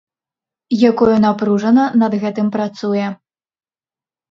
Якое напружана над гэтым працуе.